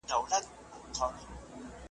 کله چې په روغتون کې بستر و